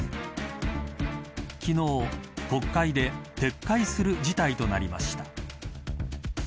昨日、国会で撤回する事態となりました。